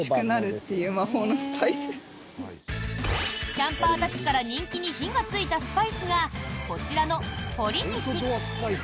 キャンパーたちから人気に火がついたスパイスがこちらの、ほりにし。